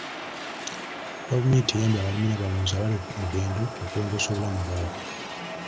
Gavumenti eyambye abalimi n'abalunzi abali ku mugendo okulongoosa obulamu bwabwe.